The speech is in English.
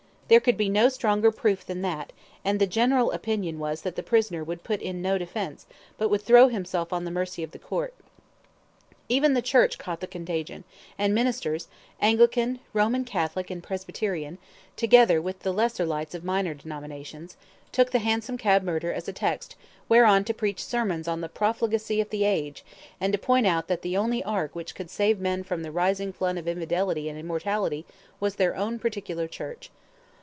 There could be no stronger proof than that, and the general opinion was that the prisoner would put in no defence, but would throw himself on the mercy of the court. Even the church caught the contagion, and ministers Anglican, Roman Catholic, and Presbyterian, together with the lesser lights of minor denominations took the hansom cab murder as a text whereon to preach sermons on the profligacy of the age, and to point out that the only ark which could save men from the rising flood of infidelity and immorality was their own particular church.